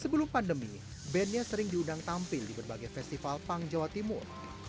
sebelum pandemi bandnya sering diundang tampil di berbagai festival punk jawa timur